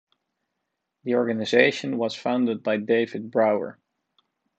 The organization was founded by David Brower.